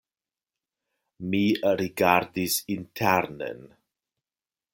Mi rigardis internen.